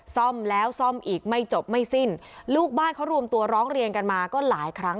ซ่อมแล้วซ่อมอีกไม่จบไม่สิ้นลูกบ้านเขารวมตัวร้องเรียนกันมาก็หลายครั้ง